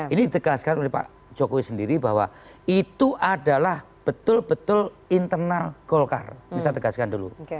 ini ditegaskan oleh pak jokowi sendiri bahwa itu adalah betul betul internal golkar bisa tegaskan dulu